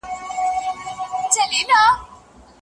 تر څو انسان له قرآن کريم څخه هدايت حاصل کړي.